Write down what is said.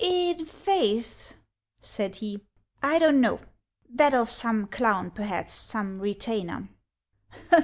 " I' faith," said he, " I don't know, — that of some clown perhaps, some retainer."